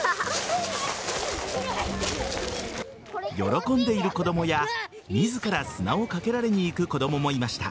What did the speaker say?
喜んでいる子供や自ら砂をかけられに行く子供もいました。